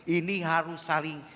ini harus saling